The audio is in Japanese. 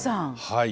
はい。